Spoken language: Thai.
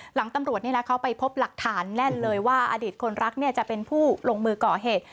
หลังตำรวจเขาไปพบหลักฐานแน่นเลยว่าอดีตคนรักจะเป็นผู้ลงมือก่อเหตุ